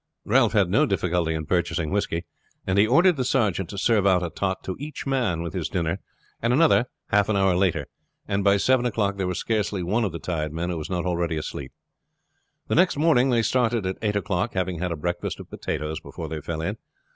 Ralph had no difficulty in purchasing whisky, and he ordered the sergeant to serve out a tot to each man with his dinner and another half an hour later, and by seven o'clock there was scarcely one of the tired men who was not already asleep. The next morning they started at eight o'clock, having had a breakfast of potatoes before they fell in.